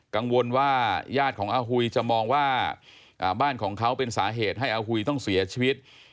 กังวลว่าญาติของอาหุยจะมองว่าบ้านของเขาเป็นสาเหตุให้อาหุยต้องเสียชีวิต